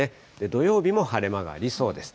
土曜日も晴れ間がありそうです。